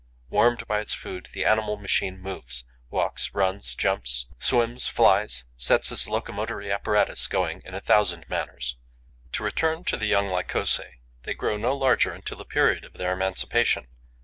Warmed by its food, the animal machine moves, walks, runs, jumps, swims, flies, sets its locomotory apparatus going in a thousand manners. To return to the young Lycosae, they grow no larger until the period of their emancipation.